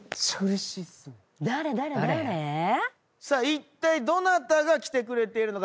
いったいどなたが来てくれているのか。